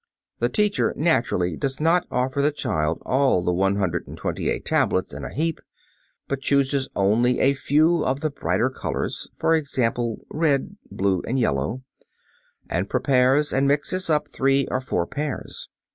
The teacher naturally does not offer the child all the one hundred and twenty eight tablets in a heap, but chooses only a few of the brighter colors, for example, red, blue and yellow, and prepares and mixes up three or four pairs.